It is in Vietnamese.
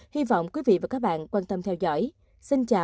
hy vọng quý vị và các bạn quan tâm theo dõi